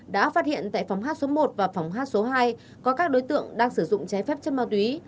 đã phát hiện tại phòng hát số một và phòng hát số hai có các đối tượng đang sử dụng trái phép chất ma túy